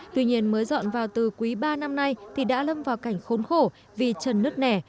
tuy nhiên mới dọn vào từ quý ba năm nay thì đã lâm vào cảnh khốn khổ vì trần nước nẻ